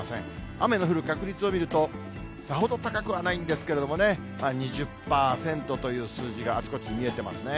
雨の降る確率を見ると、さほど高くはないんですけれどもね、２０％という数字があちこち見えてますね。